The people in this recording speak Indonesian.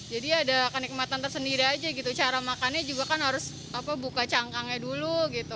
jadi ada kenikmatan tersendiri aja cara makan juga harus buka cangkangnya dulu